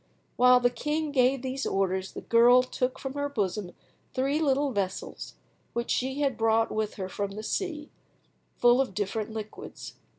While the king gave these orders the girl took from her bosom three little vessels, which she had brought with her from the sea, full of different liquids.